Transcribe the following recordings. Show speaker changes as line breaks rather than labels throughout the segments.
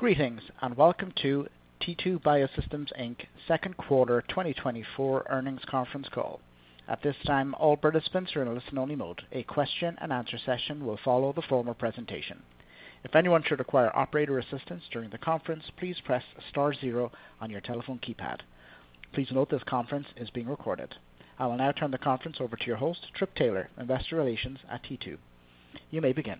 Greetings and welcome to T2 Biosystems Inc. Q2 2024 earnings conference call. At this time, all participants are in listen-only mode. A question-and-answer session will follow the formal presentation. If anyone should require operator assistance during the conference, please press star zero on your telephone keypad. Please note this conference is being recorded. I will now turn the conference over to your host, Trip Taylor, Investor Relations at T2. You may begin.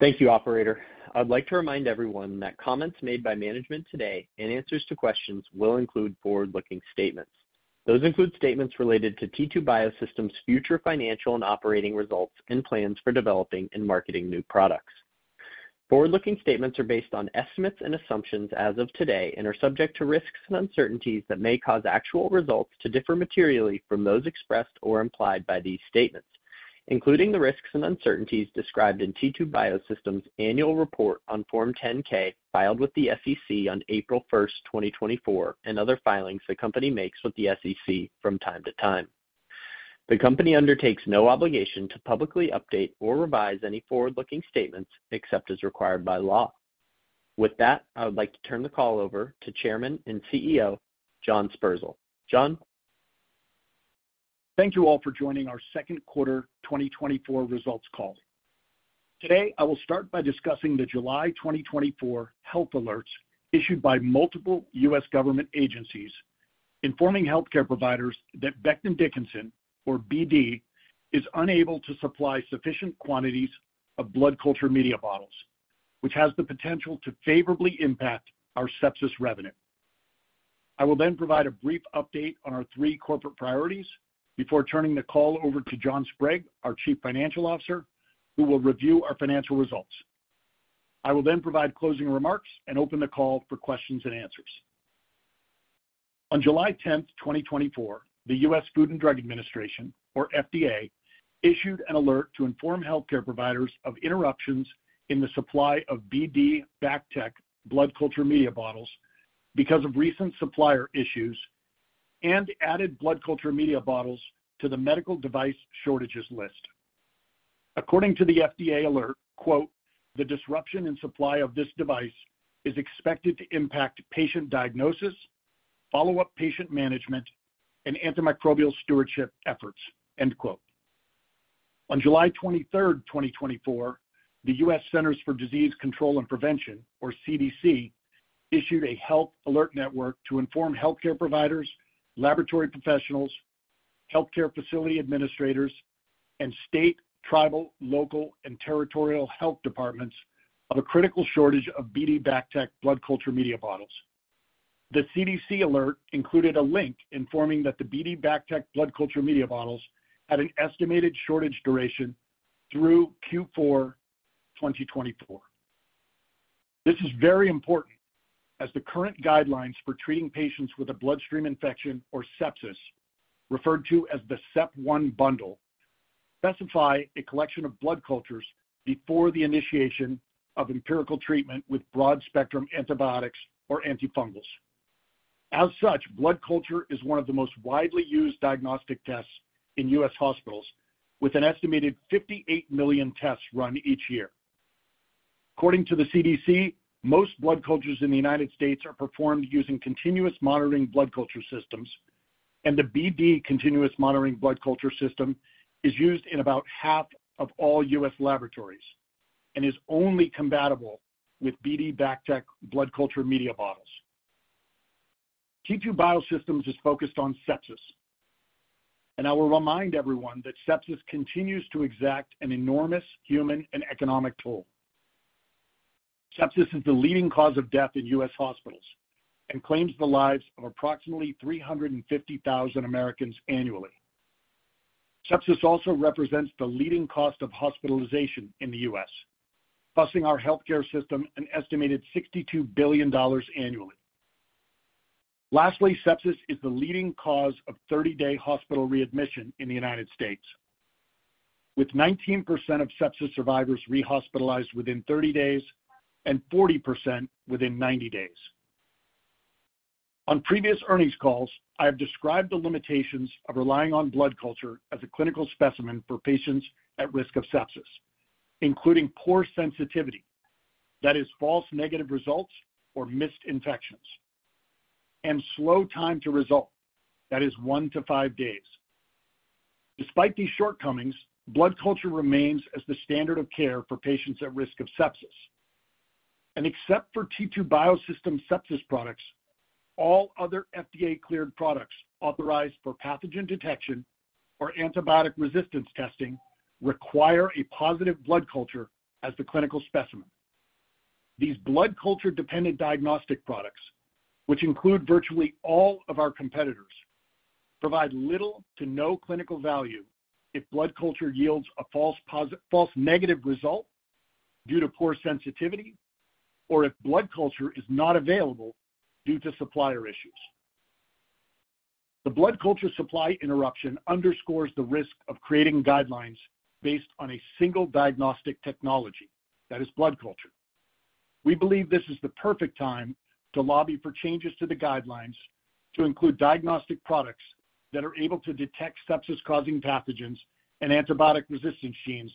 Thank you, Operator. I'd like to remind everyone that comments made by management today and answers to questions will include forward-looking statements. Those include statements related to T2 Biosystems' future financial and operating results and plans for developing and marketing new products. Forward-looking statements are based on estimates and assumptions as of today and are subject to risks and uncertainties that may cause actual results to differ materially from those expressed or implied by these statements, including the risks and uncertainties described in T2 Biosystems' annual report on Form 10-K filed with the SEC on April 1, 2024, and other filings the company makes with the SEC from time to time. The company undertakes no obligation to publicly update or revise any forward-looking statements except as required by law. With that, I would like to turn the call over to Chairman and CEO John Sperzel. John.
Thank you all for joining our Q2 2024 results call. Today, I will start by discussing the July 2024 health alerts issued by multiple U.S. government agencies informing healthcare providers that Becton Dickinson, or BD, is unable to supply sufficient quantities of blood culture media bottles, which has the potential to favorably impact our sepsis revenue. I will then provide a brief update on our three corporate priorities before turning the call over to John Sprague, our Chief Financial Officer, who will review our financial results. I will then provide closing remarks and open the call for questions and answers. On July 10th, 2024, the U.S. Food and Drug Administration, or FDA, issued an alert to inform healthcare providers of interruptions in the supply of BD BACTEC blood culture media bottles because of recent supplier issues and added blood culture media bottles to the medical device shortages list. According to the FDA alert, "The disruption in supply of this device is expected to impact patient diagnosis, follow-up patient management, and antimicrobial stewardship efforts." On July 23rd, 2024, the U.S. Centers for Disease Control and Prevention, or CDC, issued a health alert network to inform healthcare providers, laboratory professionals, healthcare facility administrators, and state, tribal, local, and territorial health departments of a critical shortage of BD BACTEC blood culture media bottles. The CDC alert included a link informing that the BD BACTEC blood culture media bottles had an estimated shortage duration through Q4 2024. This is very important as the current guidelines for treating patients with a bloodstream infection or sepsis, referred to as the SEP-1 bundle, specify a collection of blood cultures before the initiation of empirical treatment with broad-spectrum antibiotics or antifungals. As such, blood culture is one of the most widely used diagnostic tests in U.S. hospitals, with an estimated 58 million tests run each year. According to the CDC, most blood cultures in the United States are performed using continuous monitoring blood culture systems, and the BD BACTEC continuous monitoring blood culture system is used in about half of all U.S. laboratories and is only compatible with BD BACTEC blood culture media bottles. T2 Biosystems is focused on sepsis, and I will remind everyone that sepsis continues to exact an enormous human and economic toll. Sepsis is the leading cause of death in U.S. hospitals and claims the lives of approximately 350,000 Americans annually. Sepsis also represents the leading cost of hospitalization in the U.S., costing our healthcare system an estimated $ 62 billion annually. Lastly, sepsis is the leading cause of 30-day hospital readmission in the United States, with 19% of sepsis survivors re-hospitalized within 30 days and 40% within 90 days. On previous earnings calls, I have described the limitations of relying on blood culture as a clinical specimen for patients at risk of sepsis, including poor sensitivity (that is, false negative results or missed infections) and slow time to result (that is, one to five days). Despite these shortcomings, blood culture remains as the standard of care for patients at risk of sepsis. Except for T2 Biosystems' sepsis products, all other FDA-cleared products authorized for pathogen detection or antibiotic resistance testing require a positive blood culture as the clinical specimen. These blood culture-dependent diagnostic products, which include virtually all of our competitors, provide little to no clinical value if blood culture yields a false negative result due to poor sensitivity or if blood culture is not available due to supplier issues. The blood culture supply interruption underscores the risk of creating guidelines based on a single diagnostic technology (that is, blood culture). We believe this is the perfect time to lobby for changes to the guidelines to include diagnostic products that are able to detect sepsis-causing pathogens and antibiotic resistance genes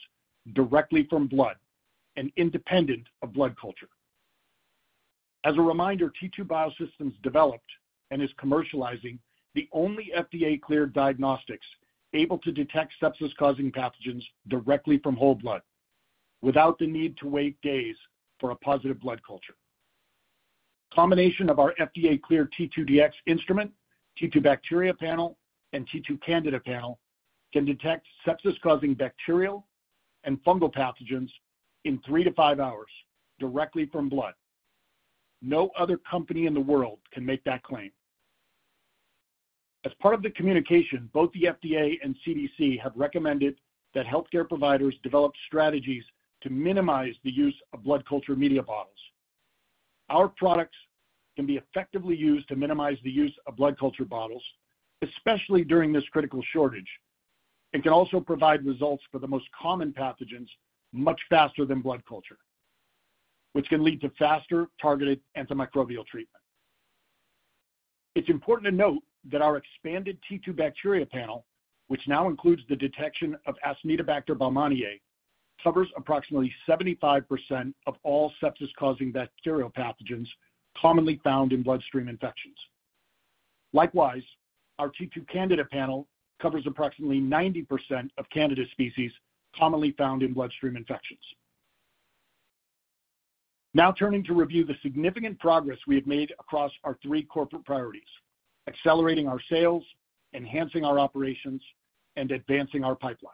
directly from blood and independent of blood culture. As a reminder, T2 Biosystems developed and is commercializing the only FDA-cleared diagnostics able to detect sepsis-causing pathogens directly from whole blood without the need to wait days for a positive blood culture. The combination of our FDA-cleared T2Dx instrument, T2 Bacteria Panel, and T2 Candida Panel can detect sepsis-causing bacterial and fungal pathogens in 3-5 hours directly from blood. No other company in the world can make that claim. As part of the communication, both the FDA and CDC have recommended that healthcare providers develop strategies to minimize the use of blood culture media bottles. Our products can be effectively used to minimize the use of blood culture bottles, especially during this critical shortage, and can also provide results for the most common pathogens much faster than blood culture, which can lead to faster, targeted antimicrobial treatment. It's important to note that our expanded T2 Bacteria Panel, which now includes the detection of Acinetobacter baumannii, covers approximately 75% of all sepsis-causing bacterial pathogens commonly found in bloodstream infections. Likewise, our T2 Candida Panel covers approximately 90% of Candida species commonly found in bloodstream infections. Now turning to review the significant progress we have made across our three corporate priorities: accelerating our sales, enhancing our operations, and advancing our pipeline.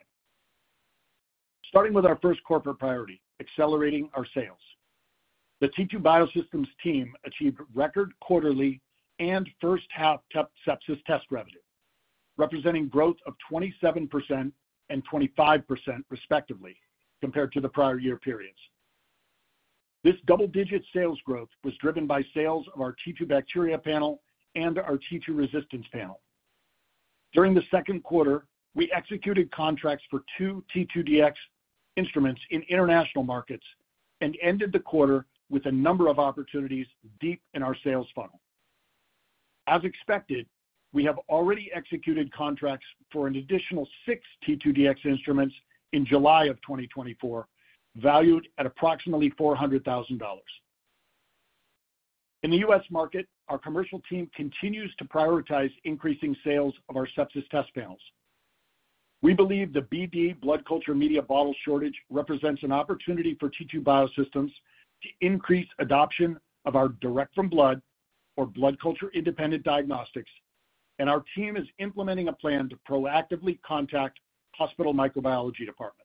Starting with our first corporate priority: accelerating our sales. The T2 Biosystems team achieved record quarterly and first-half sepsis test revenue, representing growth of 27% and 25%, respectively, compared to the prior year periods. This double-digit sales growth was driven by sales of our T2 Bacteria Panel and our T2 Resistance Panel. During the Q2, we executed contracts for two T2Dx instruments in international markets and ended the quarter with a number of opportunities deep in our sales funnel. As expected, we have already executed contracts for an additional six T2Dx instruments in July of 2024, valued at approximately $ 400,000. In the U.S. market, our commercial team continues to prioritize increasing sales of our sepsis test panels. We believe the BD blood culture media bottle shortage represents an opportunity for T2 Biosystems to increase adoption of our direct-from-blood or blood culture-independent diagnostics, and our team is implementing a plan to proactively contact hospital microbiology departments.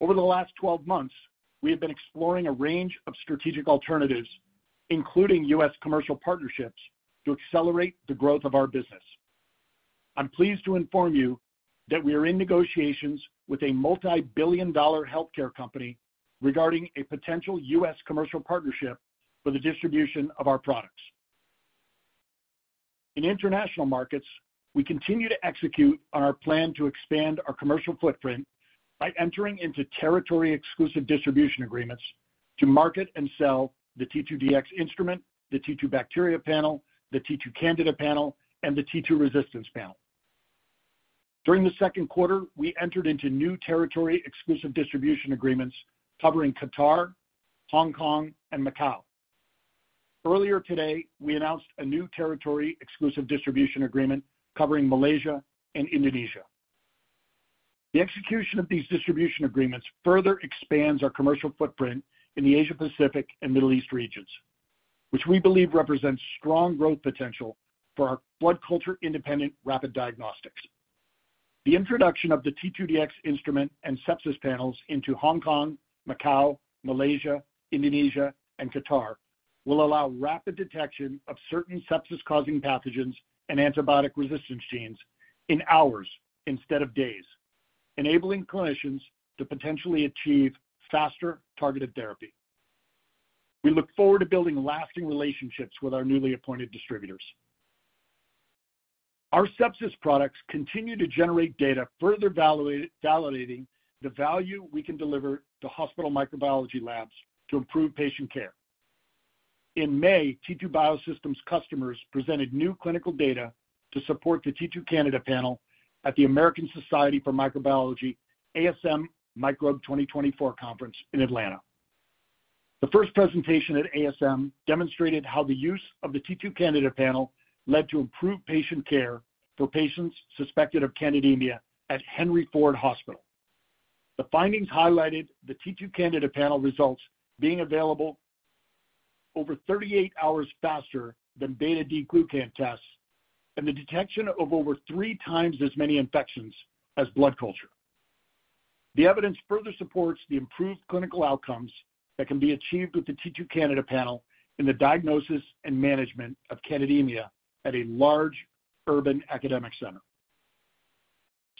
Over the last 12 months, we have been exploring a range of strategic alternatives, including U.S. commercial partnerships, to accelerate the growth of our business. I'm pleased to inform you that we are in negotiations with a multi-billion-dollar healthcare company regarding a potential U.S. commercial partnership for the distribution of our products. In international markets, we continue to execute on our plan to expand our commercial footprint by entering into territory-exclusive distribution agreements to market and sell the T2Dx Instrument, the T2 Bacteria Panel, the T2 Candida Panel, and the T2 Resistance Panel. During the Q2, we entered into new territory-exclusive distribution agreements covering Qatar, Hong Kong, and Macao. Earlier today, we announced a new territory-exclusive distribution agreement covering Malaysia and Indonesia. The execution of these distribution agreements further expands our commercial footprint in the Asia-Pacific and Middle East regions, which we believe represents strong growth potential for our blood culture-independent rapid diagnostics. The introduction of the T2Dx instrument and sepsis panels into Hong Kong, Macao, Malaysia, Indonesia, and Qatar will allow rapid detection of certain sepsis-causing pathogens and antibiotic resistance genes in hours instead of days, enabling clinicians to potentially achieve faster, targeted therapy. We look forward to building lasting relationships with our newly appointed distributors. Our sepsis products continue to generate data, further validating the value we can deliver to hospital microbiology labs to improve patient care. In May, T2 Biosystems' customers presented new clinical data to support the T2 Candida Panel at the American Society for Microbiology ASM Microbe 2024 conference in Atlanta. The first presentation at ASM demonstrated how the use of the T2 Candida Panel led to improved patient care for patients suspected of candidemia at Henry Ford Hospital. The findings highlighted the T2 Candida Panel results being available over 38 hours faster than beta-D-glucan tests and the detection of over three times as many infections as blood culture. The evidence further supports the improved clinical outcomes that can be achieved with the T2 Candida Panel in the diagnosis and management of candidemia at a large urban a$emic center.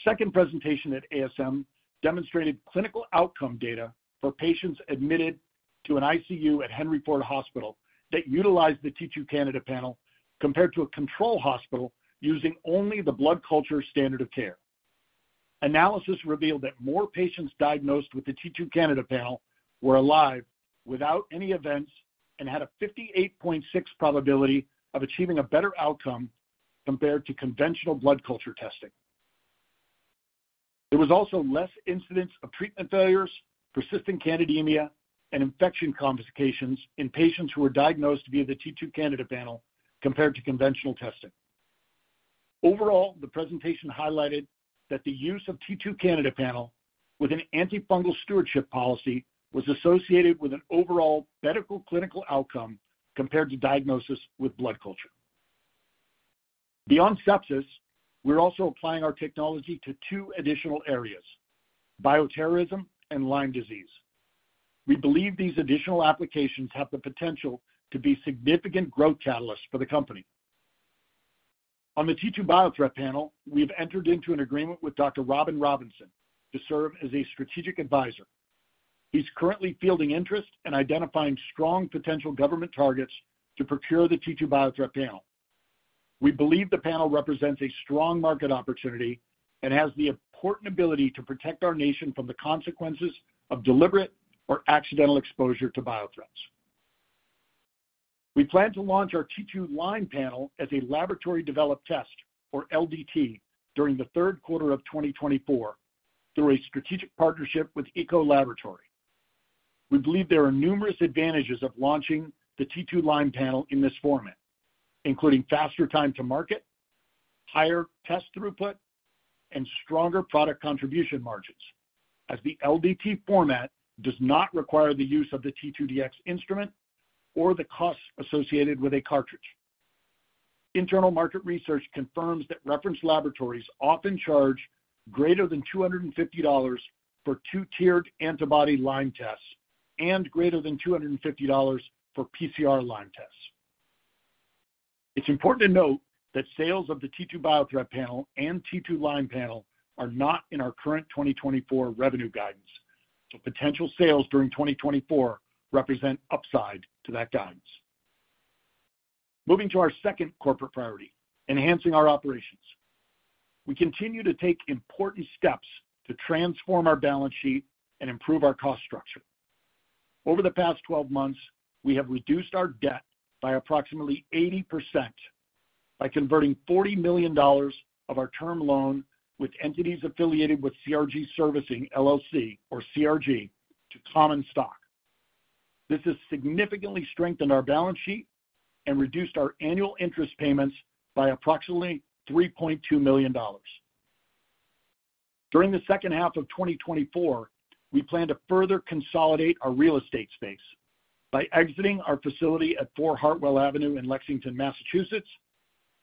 The second presentation at ASM demonstrated clinical outcome data for patients admitted to an ICU at Henry Ford Hospital that utilized the T2 Candida Panel compared to a control hospital using only the blood culture standard of care. Analysis revealed that more patients diagnosed with the T2 Candida Panel were alive without any events and had a 58.6 probability of achieving a better outcome compared to conventional blood culture testing. There was also less incidence of treatment failures, persistent candidemia, and infection complications in patients who were diagnosed via the T2 Candida Panel compared to conventional testing. Overall, the presentation highlighted that the use of T2 Candida Panel with an antifungal stewardship policy was associated with an overall better clinical outcome compared to diagnosis with blood culture. Beyond sepsis, we're also applying our technology to two additional areas: bioterrorism and Lyme disease. We believe these additional applications have the potential to be significant growth catalysts for the company. On the T2 Biothreat Panel, we've entered into an agreement with Dr. Robin Robinson to serve as a strategic advisor. He's currently fielding interest and identifying strong potential government targets to procure the T2 Biothreat Panel. We believe the panel represents a strong market opportunity and has the important ability to protect our nation from the consequences of deliberate or accidental exposure to biothreats. We plan to launch our T2Lyme panel as a laboratory-developed test, or LDT, during the Q3 of 2024 through a strategic partnership with Eco Laboratory. We believe there are numerous advantages of launching the T2Lyme panel in this format, including faster time to market, higher test throughput, and stronger product contribution margins, as the LDT format does not require the use of the T2Dx Instrument or the costs associated with a cartridge. Internal market research confirms that reference laboratories often charge greater than $ 250 for two-tiered antibody Lyme tests and greater than $ 250 for PCR Lyme tests. It's important to note that sales of the T2 Biothreat Panel and T2Lyme Panel are not in our current 2024 revenue guidance, so potential sales during 2024 represent upside to that guidance. Moving to our second corporate priority: enhancing our operations. We continue to take important steps to transform our balance sheet and improve our cost structure. Over the past 12 months, we have reduced our debt by approximately 80% by converting $ 40 million of our term loan with entities affiliated with CRG Servicing LLC, or CRG, to common stock. This has significantly strengthened our balance sheet and reduced our annual interest payments by approximately $ 3.2 million. During the H2 of 2024, we plan to further consolidate our real estate space by exiting our facility at 4 Hartwell Avenue, Lexington, Massachusetts,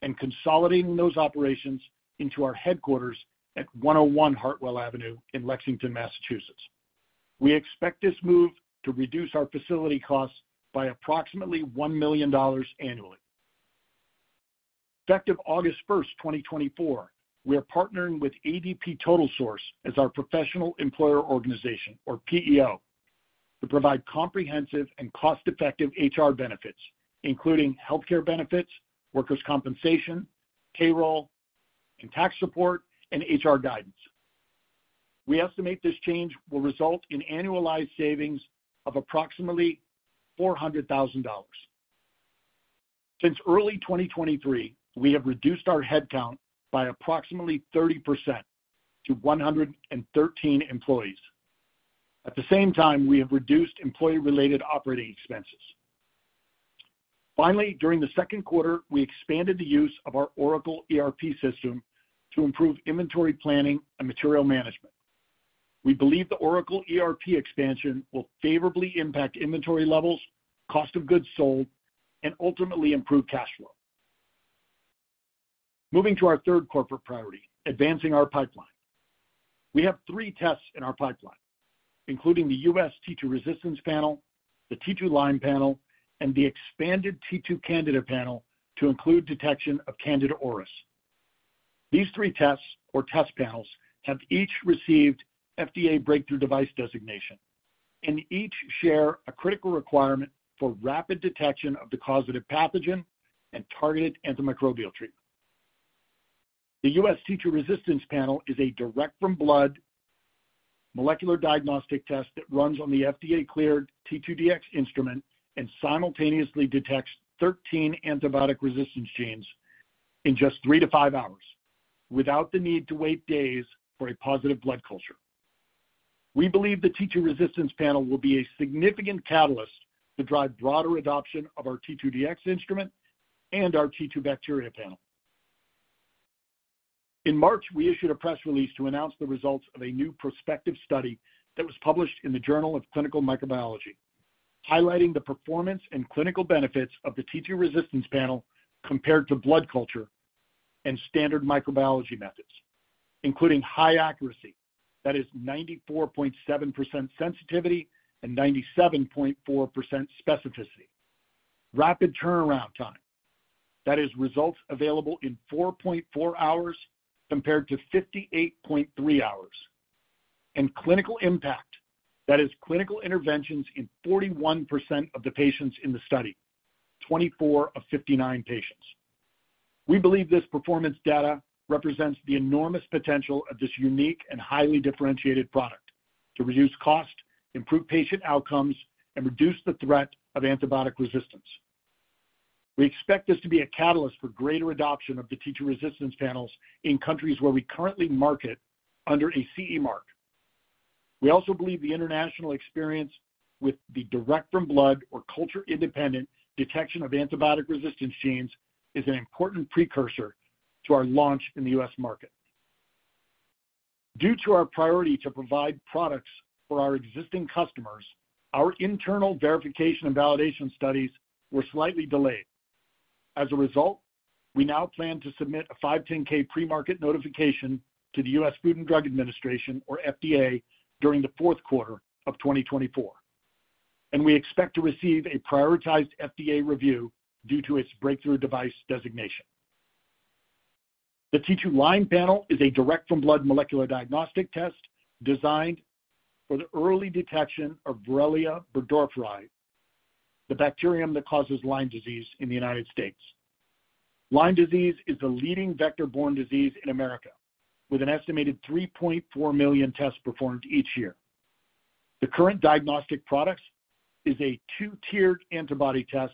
and consolidating those operations into our headquarters at 101 Hartwell Avenue, Lexington, Massachusetts. We expect this move to reduce our facility costs by approximately $ 1 million annually. Effective August 1st, 2024, we are partnering with ADP TotalSource as our Professional Employer Organization, or PEO, to provide comprehensive and cost-effective HR benefits, including healthcare benefits, workers' compensation, payroll, and tax support, and HR guidance. We estimate this change will result in annualized savings of approximately $ 400,000. Since early 2023, we have reduced our headcount by approximately 30% to 113 employees. At the same time, we have reduced employee-related operating expenses. Finally, during the Q2, we expanded the use of our Oracle ERP system to improve inventory planning and material management. We believe the Oracle ERP expansion will favorably impact inventory levels, cost of goods sold, and ultimately improve cash flow. Moving to our third corporate priority: advancing our pipeline. We have three tests in our pipeline, including the U.S. T2 Resistance Panel, the T2Lyme Panel, and the expanded T2 Candida Panel to include detection of Candida auris. These three tests, or test panels, have each received FDA breakthrough device designation and each share a critical requirement for rapid detection of the causative pathogen and targeted antimicrobial treatment. The U.S. T2 Resistance Panel is a direct-from-blood molecular diagnostic test that runs on the FDA-cleared T2DX instrument and simultaneously detects 13 antibiotic resistance genes in just 3-5 hours, without the need to wait days for a positive blood culture. We believe the T2 Resistance Panel will be a significant catalyst to drive broader adoption of our T2DX instrument and our T2 Bacteria Panel. In March, we issued a press release to announce the results of a new prospective study that was published in the Journal of Clinical Microbiology, highlighting the performance and clinical benefits of the T2 Resistance Panel compared to blood culture and standard microbiology methods, including high accuracy, that is, 94.7% sensitivity and 97.4% specificity, rapid turnaround time, that is, results available in 4.4 hours compared to 58.3 hours, and clinical impact, that is, clinical interventions in 41% of the patients in the study, 24 of 59 patients. We believe this performance data represents the enormous potential of this unique and highly differentiated product to reduce cost, improve patient outcomes, and reduce the threat of antibiotic resistance. We expect this to be a catalyst for greater adoption of the T2 Resistance Panels in countries where we currently market under a CE mark. We also believe the international experience with the direct-from-blood, or culture-independent, detection of antibiotic resistance genes is an important precursor to our launch in the U.S. market. Due to our priority to provide products for our existing customers, our internal verification and validation studies were slightly delayed. As a result, we now plan to submit a 510(k) pre-market notification to the U.S. Food and Drug Administration, or FDA, during the Q4 of 2024, and we expect to receive a prioritized FDA review due to its breakthrough device designation. The T2Lyme Panel is a direct-from-blood molecular diagnostic test designed for the early detection of Borrelia burgdorferi, the bacterium that causes Lyme disease in the United States. Lyme disease is the leading vector-borne disease in America, with an estimated 3.4 million tests performed each year. The current diagnostic product is a two-tiered antibody test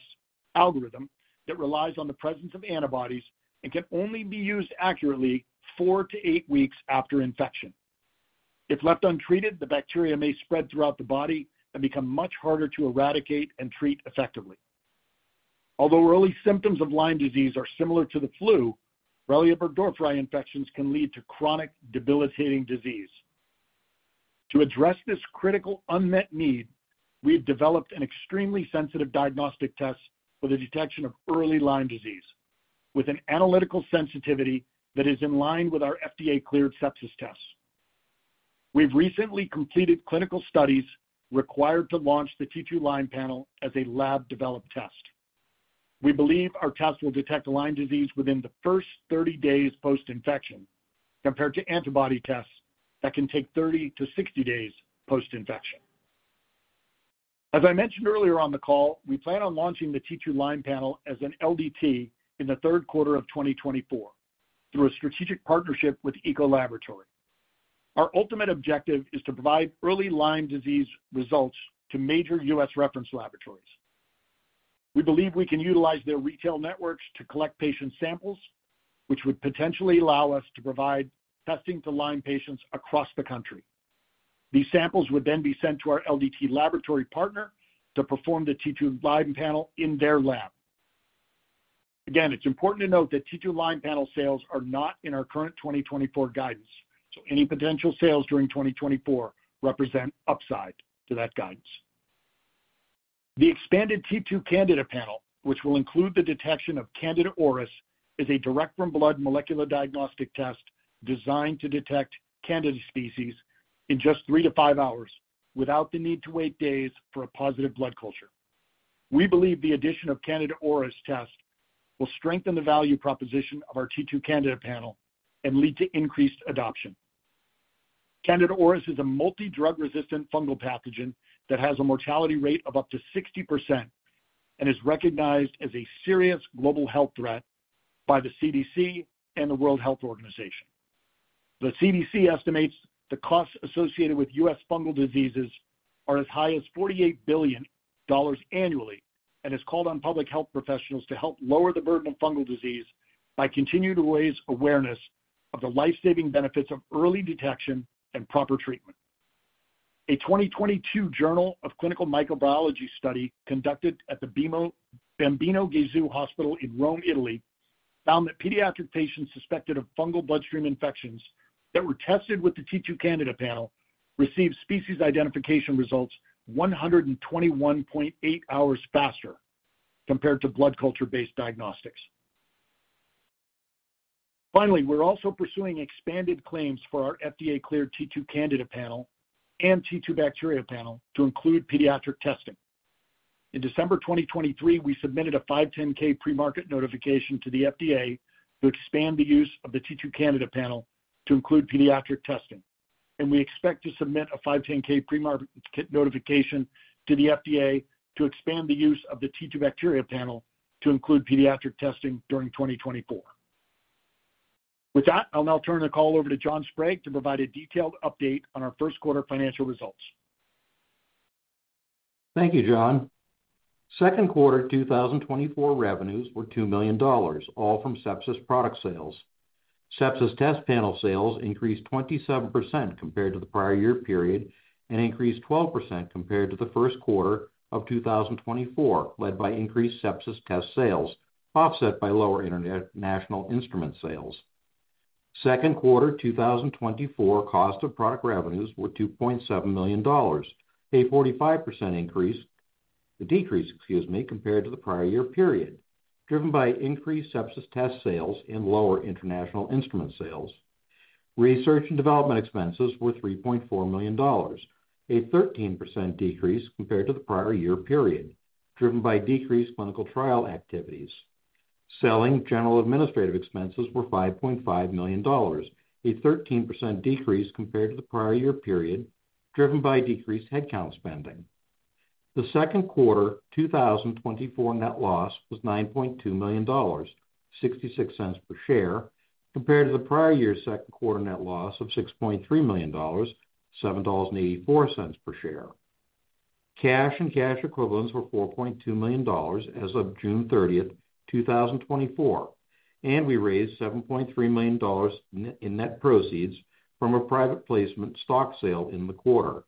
algorithm that relies on the presence of antibodies and can only be used accurately 4-8 weeks after infection. If left untreated, the bacteria may spread throughout the body and become much harder to eradicate and treat effectively. Although early symptoms of Lyme disease are similar to the flu, Borrelia burgdorferi infections can lead to chronic debilitating disease. To address this critical unmet need, we have developed an extremely sensitive diagnostic test for the detection of early Lyme disease, with an analytical sensitivity that is in line with our FDA-cleared sepsis tests. We've recently completed clinical studies required to launch the T2Lyme Panel as a lab-developed test. We believe our test will detect Lyme disease within the first 30 days post-infection compared to antibody tests that can take 30-60 days post-infection. As I mentioned earlier on the call, we plan on launching the T2Lyme Panel as an LDT in the Q3 of 2024 through a strategic partnership with Eco Laboratory. Our ultimate objective is to provide early Lyme disease results to major U.S. reference laboratories. We believe we can utilize their retail networks to collect patient samples, which would potentially allow us to provide testing to Lyme patients across the country. These samples would then be sent to our LDT laboratory partner to perform the T2Lyme Panel in their lab. Again, it's important to note that T2Lyme Panel sales are not in our current 2024 guidance, so any potential sales during 2024 represent upside to that guidance. The expanded T2 Candida panel, which will include the detection of Candida auris, is a direct-from-blood molecular diagnostic test designed to detect Candida species in just 3-5 hours without the need to wait days for a positive blood culture. We believe the addition of Candida auris tests will strengthen the value proposition of our T2 Candida panel and lead to increased adoption. Candida auris is a multi-drug-resistant fungal pathogen that has a mortality rate of up to 60% and is recognized as a serious global health threat by the CDC and the World Health Organization. The CDC estimates the costs associated with U.S. fungal diseases are as high as $ 48 billion annually and has called on public health professionals to help lower the burden of fungal disease by continuing to raise awareness of the lifesaving benefits of early detection and proper treatment. A 2022 Journal of Clinical Microbiology study conducted at the Bambino Gesù Hospital in Rome, Italy, found that pediatric patients suspected of fungal bloodstream infections that were tested with the T2 Candida Panel received species identification results 121.8 hours faster compared to blood culture-based diagnostics. Finally, we're also pursuing expanded claims for our FDA-cleared T2 Candida Panel and T2 Bacteria Panel to include pediatric testing. In December 2023, we submitted a 510(k) pre-market notification to the FDA to expand the use of the T2 Candida Panel to include pediatric testing, and we expect to submit a 510(k) pre-market notification to the FDA to expand the use of the T2 Bacteria Panel to include pediatric testing during 2024. With that, I'll now turn the call over to John Sprague to provide a detailed update on our Q1 financial results.
Thank you, John. Q2 2024 revenues were $ 2 million, all from sepsis product sales. Sepsis test panel sales increased 27% compared to the prior year period and increased 12% compared to the Q1 of 2024, led by increased sepsis test sales, offset by lower international instrument sales. Q2 2024 cost of product revenues were $ 2.7 million, a 45% decrease compared to the prior year period, driven by increased sepsis test sales and lower international instrument sales. Research and development expenses were $ 3.4 million, a 13% decrease compared to the prior year period, driven by decreased clinical trial activities. Selling general administrative expenses were $ 5.5 million, a 13% decrease compared to the prior year period, driven by decreased headcount spending. The Q2 2024 net loss was $ 9.2 million, $ 0.66 per share, compared to the prior year's Q2 net loss of $ 6.3 million, $ 7.84 per share. Cash and cash equivalents were $ 4.2 million as of June 30, 2024, and we raised $ 7.3 million in net proceeds from a private placement stock sale in the quarter.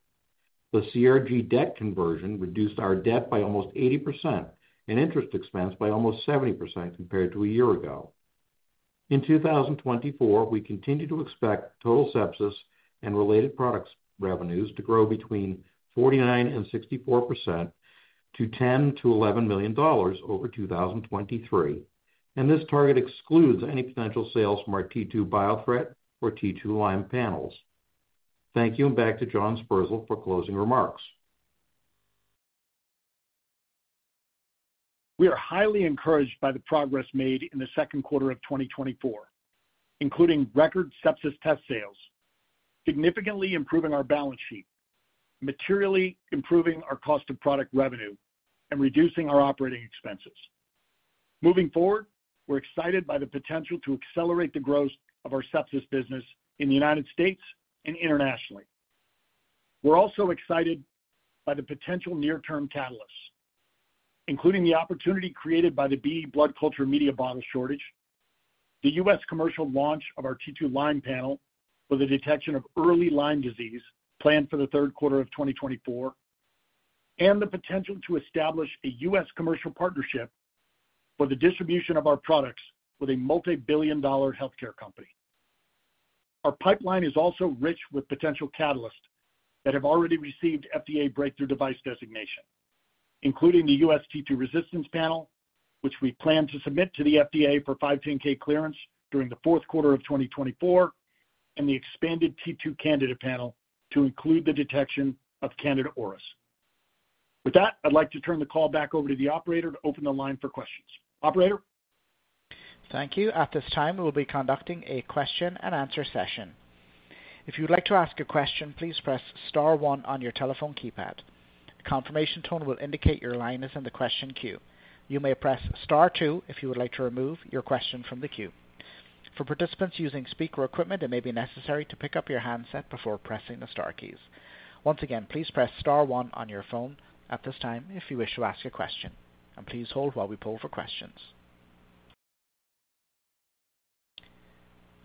The CRG debt conversion reduced our debt by almost 80% and interest expense by almost 70% compared to a year ago. In 2024, we continue to expect total sepsis and related products revenues to grow between 49% and 64% to $ 10-$ 11 million over 2023, and this target excludes any potential sales from our T2 Biothreat or T2Lyme panels. Thank you, and back to John Sperzel for closing remarks.
We are highly encouraged by the progress made in the Q2 of 2024, including record sepsis test sales, significantly improving our balance sheet, materially improving our cost of product revenue, and reducing our operating expenses. Moving forward, we're excited by the potential to accelerate the growth of our sepsis business in the United States and internationally. We're also excited by the potential near-term catalysts, including the opportunity created by the BD blood culture media bottle shortage, the U.S. commercial launch of our T2Lyme panel for the detection of early Lyme disease planned for the Q3 of 2024, and the potential to establish a U.S. commercial partnership for the distribution of our products with a multi-billion dollar healthcare company. Our pipeline is also rich with potential catalysts that have already received FDA breakthrough device designation, including the U.S. T2 Resistance Panel, which we plan to submit to the FDA for 510(k) clearance during the Q4 of 2024, and the expanded T2 Candida panel to include the detection of Candida auris. With that, I'd like to turn the call back over to the operator to open the line for questions. Operator?
Thank you. At this time, we will be conducting a question and answer session. If you'd like to ask a question, please press Star 1 on your telephone keypad. Confirmation tone will indicate your line is in the question queue. You may press Star 2 if you would like to remove your question from the queue. For participants using speaker equipment, it may be necessary to pick up your handset before pressing the Star keys. Once again, please press Star 1 on your phone at this time if you wish to ask a question, and please hold while we pull for questions.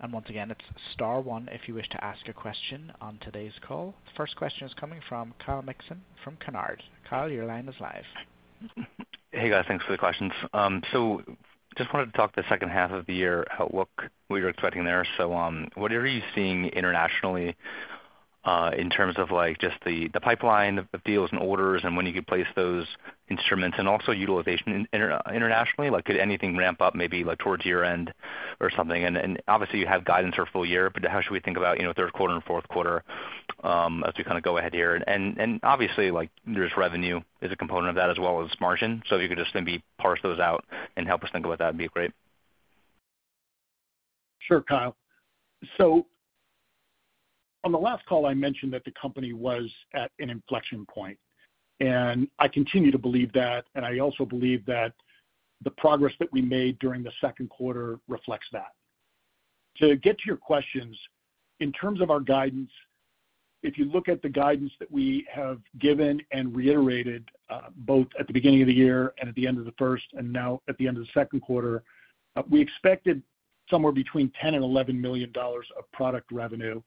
And once again, it's Star 1 if you wish to ask a question on today's call. The first question is coming from Kyle Mikson from Canaccord. Kyle, your line is live.
Hey, guys. Thanks for the questions. So just wanted to talk the H2 of the year outlook, what you're expecting there. So what are you seeing internationally in terms of just the pipeline of deals and orders and when you could place those instruments and also utilization internationally? Could anything ramp up maybe towards year-end or something? And obviously, you have guidance for a full year, but how should we think about Q3 and Q4 as we kind of go ahead here? And obviously, there's revenue as a component of that as well as margin. So if you could just maybe parse those out and help us think about that, it'd be great. Sure, Kyle.
So on the last call, I mentioned that the company was at an inflection point, and I continue to believe that, and I also believe that the progress that we made during the Q2 reflects that. To get to your questions, in terms of our guidance, if you look at the guidance that we have given and reiterated both at the beginning of the year and at the end of the first and now at the end of the Q2, we expected somewhere between $ 10-$ 11 million of product revenue,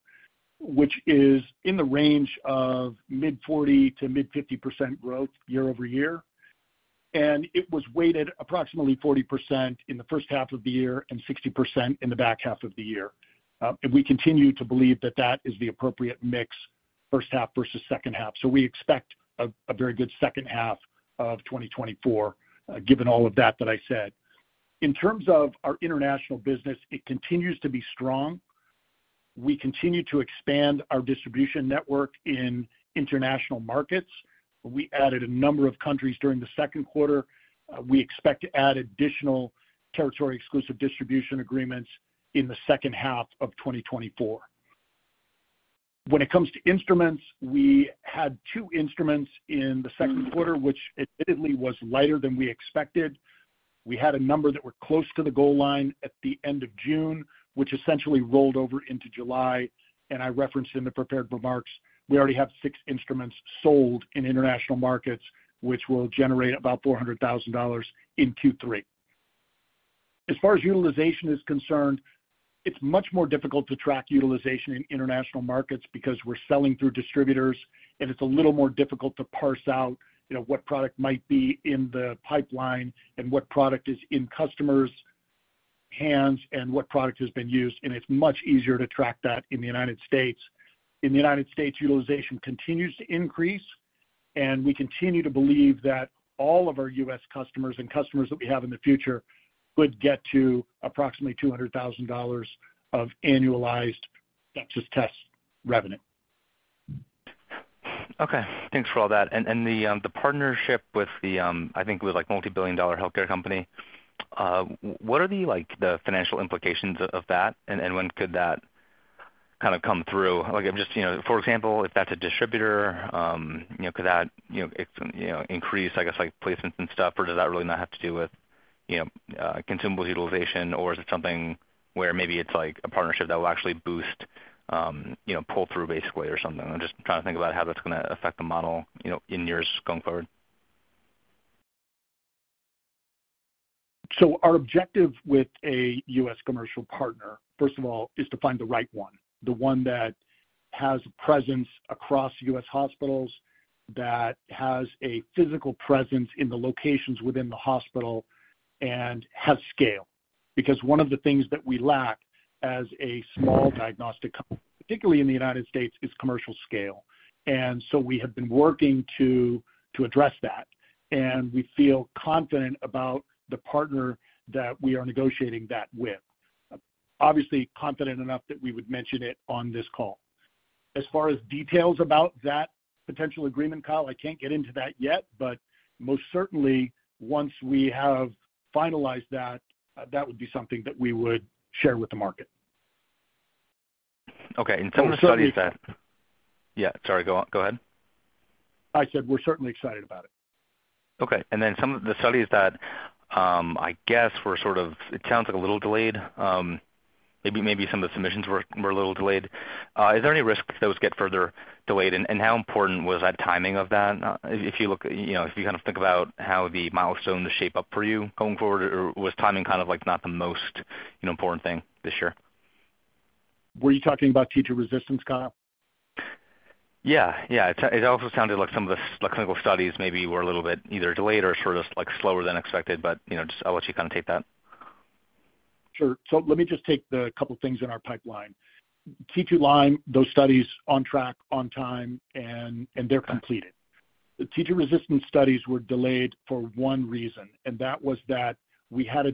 which is in the range of mid-40%-mid-50% growth year-over-year. And it was weighted approximately 40% in the H1 of the year and 60% in the back half of the year. And we continue to believe that that is the appropriate mix, H1 versus H2. So we expect a very good H2 of 2024, given all of that that I said. In terms of our international business, it continues to be strong. We continue to expand our distribution network in international markets. We added a number of countries during the Q2. We expect to add additional territory-exclusive distribution agreements in the H2 of 2024. When it comes to instruments, we had 2 instruments in the Q2, which admittedly was lighter than we expected. We had a number that were close to the goal line at the end of June, which essentially rolled over into July. And I referenced in the prepared remarks, we already have 6 instruments sold in international markets, which will generate about $ 400,000 in Q3. As far as utilization is concerned, it's much more difficult to track utilization in international markets because we're selling through distributors, and it's a little more difficult to parse out what product might be in the pipeline and what product is in customers' hands and what product has been used. It's much easier to track that in the United States. In the United States, utilization continues to increase, and we continue to believe that all of our U.S. customers and customers that we have in the future could get to approximately $ 200,000 of annualized sepsis test revenue.
Okay. Thanks for all that. The partnership with the, I think, multi-billion dollar healthcare company, what are the financial implications of that, and when could that kind of come through? For example, if that's a distributor, could that increase, I guess, placements and stuff, or does that really not have to do with consumables utilization, or is it something where maybe it's a partnership that will actually boost pull-through, basically, or something? I'm just trying to think about how that's going to affect the model in years going forward.
Our objective with a U.S. commercial partner, first of all, is to find the right one, the one that has a presence across U.S. hospitals, that has a physical presence in the locations within the hospital, and has scale. Because one of the things that we lack as a small diagnostic company, particularly in the United States, is commercial scale. We have been working to address that, and we feel confident about the partner that we are negotiating that with. Obviously, confident enough that we would mention it on this call. As far as details about that potential agreement, Kyle, I can't get into that yet, but most certainly, once we have finalized that, that would be something that we would share with the market.
Okay. And some of the studies that—yeah, sorry, go ahead.
I said we're certainly excited about it.
Okay. And then some of the studies that I guess were sort of—it sounds like a little delayed. Maybe some of the submissions were a little delayed. Is there any risk that we get further delayed, and how important was that timing of that? If you kind of think about how the milestones shape up for you going forward, or was timing kind of not the most important thing this year?
Were you talking about T2 Resistance, Kyle? Yeah. Yeah.
It also sounded like some of the clinical studies maybe were a little bit either delayed or sort of slower than expected, but I'll let you kind of take that.
Sure. So let me just take the couple of things in our pipeline. T2Lyme, those studies on track, on time, and they're completed. The T2 Resistance studies were delayed for one reason, and that was that we had a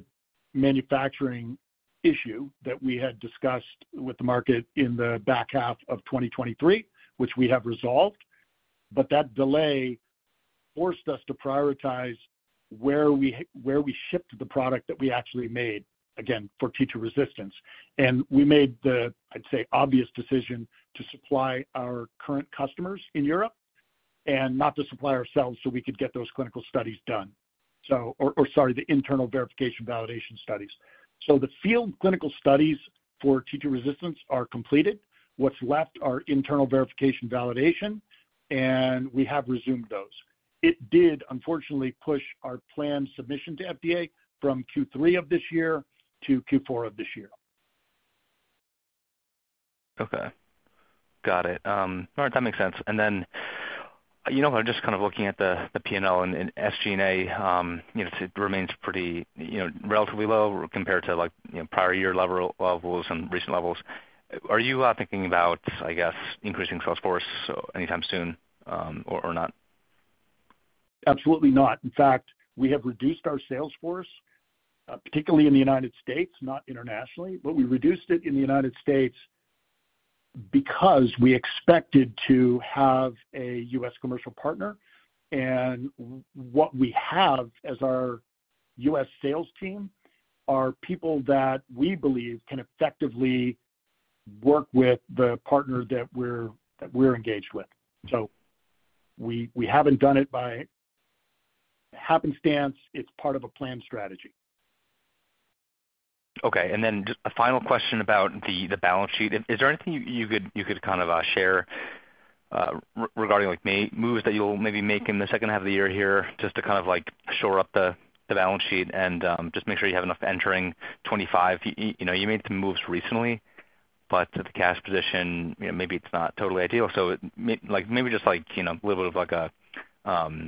manufacturing issue that we had discussed with the market in the back half of 2023, which we have resolved, but that delay forced us to prioritize where we shipped the product that we actually made, again, for T2 Resistance. And we made the, I'd say, obvious decision to supply our current customers in Europe and not to supply ourselves so we could get those clinical studies done, or sorry, the internal verification and validation studies. So the field clinical studies for T2 Resistance are completed. What's left are internal verification validation, and we have resumed those. It did, unfortunately, push our planned submission to FDA from Q3 of this year to Q4 of this year.
Okay. Got it. All right. That makes sense. And then I'm just kind of looking at the P&L and SG&A. It remains pretty relatively low compared to prior year levels and recent levels. Are you thinking about, I guess, increasing sales force anytime soon or not?
Absolutely not. In fact, we have reduced our sales force, particularly in the United States, not internationally, but we reduced it in the United States because we expected to have a U.S. commercial partner. And what we have as our U.S. sales team are people that we believe can effectively work with the partner that we're engaged with. So we haven't done it by happenstance. It's part of a planned strategy.
Okay. And then just a final question about the balance sheet. Is there anything you could kind of share regarding moves that you'll maybe make in the H2 of the year here just to kind of shore up the balance sheet and just make sure you have enough entering 2025? You made some moves recently, but the cash position, maybe it's not totally ideal. So maybe just a little bit of a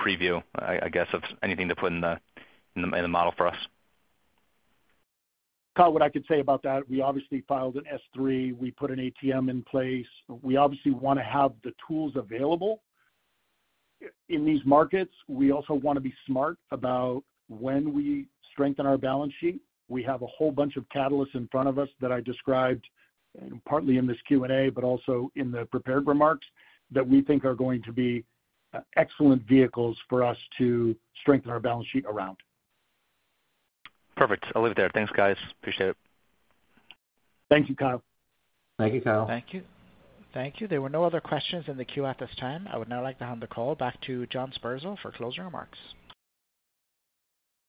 preview, I guess, of anything to put in the model for us.
Kyle, what I could say about that, we obviously filed an S3. We put an ATM in place. We obviously want to have the tools available in these markets. We also want to be smart about when we strengthen our balance sheet. We have a whole bunch of catalysts in front of us that I described partly in this Q&A, but also in the prepared remarks that we think are going to be excellent vehicles for us to strengthen our balance sheet around.
Perfect. I'll leave it there. Thanks, guys. Appreciate it.
Thank you, Kyle.
Thank you, Kyle.
Thank you. Thank you. There were no other questions in the queue at this time. I would now like to hand the call back to John Sperzel for closing remarks.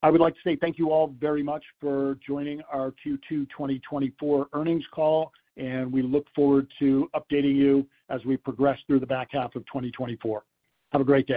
I would like to say thank you all very much for joining our Q2 2024 earnings call, and we look forward to updating you as we progress through the back half of 2024. Have a great day.